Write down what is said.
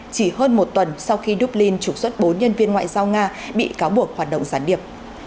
chỉ hơn một tuần sau khi dublin trục xuất bốn nhân viên ngoại giao nga bị cáo buộc hoạt động gián điệp